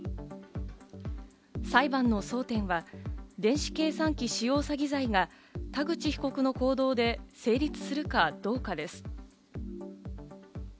裁判の争点は電子計算機使用詐欺罪が田口被告の行動で成立するかどうかです。